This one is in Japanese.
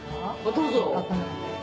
どうぞ。